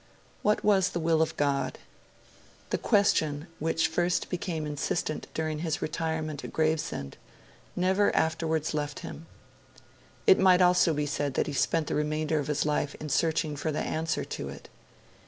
What was the Will of God? The question, which first became insistent during his retirement at Gravesend, never afterwards left him; it might almost be said that he spent the remainder of his life in searching for the answer to it.